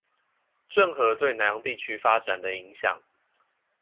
鄭和對南洋地區發展的影響